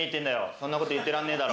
そんな事言ってらんねえだろ。